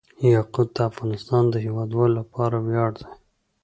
یاقوت د افغانستان د هیوادوالو لپاره ویاړ دی.